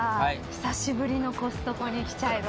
久しぶりのコストコに来ちゃいました。